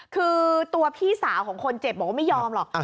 คือตัวพี่สาวของคนเจ็บบอกว่าไม่ยอมหรอก